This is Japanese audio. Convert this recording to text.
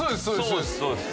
そうです